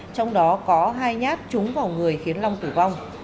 trong đó có hai nhát trúng vào người khiến long tử vong